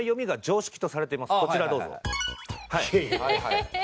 こちらどうぞ。